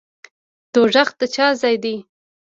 دوزخ د چا ځای دی؟